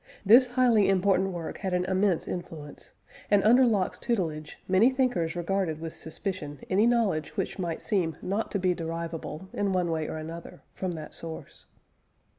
This highly important work had an immense influence, and, under Locke's tutelage, many thinkers regarded with suspicion any knowledge which might seem not to be derivable, in one way or another, from that source.